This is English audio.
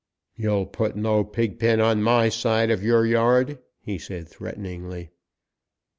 "You'll put no pig pen on my side of your yard!" he said threateningly.